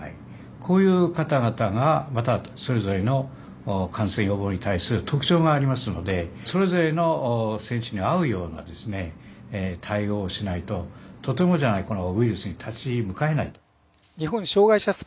こういう方々がまたそれぞれの感染予防に対する特徴がありますのでそれぞれの選手に合うような対応をしないととてもじゃないこのウイルスに立ち向かえない。